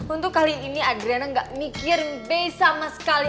untuk kali ini adriana gak mikirin be sama sekali